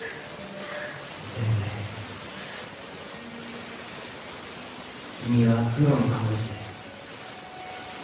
でもね君はプロの看護師です。